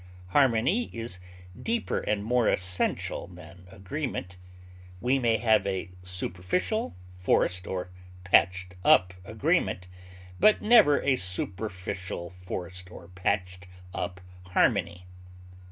Harmony is deeper and more essential than agreement; we may have a superficial, forced, or patched up agreement, but never a superficial, forced, or patched up harmony.